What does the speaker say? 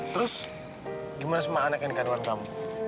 terus gimana sama anak yang kanduan kamu